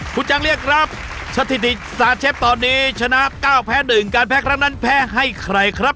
คุณจังเรียกครับสถิติสตาร์เชฟตอนนี้ชนะ๙แพ้๑การแพ้ครั้งนั้นแพ้ให้ใครครับ